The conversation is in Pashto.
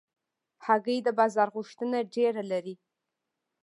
هګۍ د بازار غوښتنه ډېره لري.